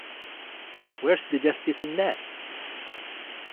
Where's the justice in that?